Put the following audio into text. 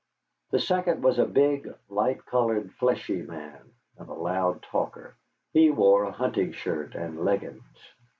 The second was a big, light colored, fleshy man, and a loud talker. He wore a hunting shirt and leggings.